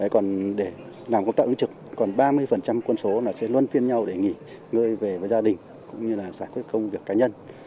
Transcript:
còn để làm công tác ứng trực còn ba mươi quân số là sẽ luôn phiên nhau để nghỉ ngơi về với gia đình cũng như là giải quyết công việc cá nhân